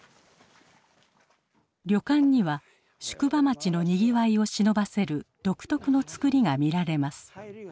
旅館には宿場町のにぎわいをしのばせる独特の造りが見られます。